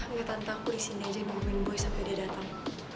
nggak tante aku disini aja yang nungguin boy sampai dia datang